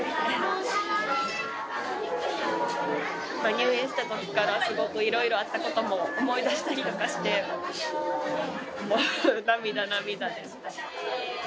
入院したときからすごくいろいろあったことも思い出したりとかもして、もう涙、涙でした。